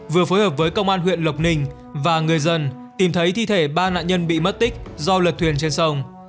vừa phối hợp với công an huyện lộc ninh và người dân tìm thấy thi thể ba nạn nhân bị mất tích do lật thuyền trên sông